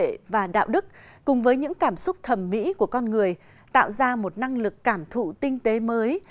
vật chất vật thể và đạo đức cùng với những cảm xúc thẩm mỹ của con người tạo ra một năng lực cảm thụ tinh tế mới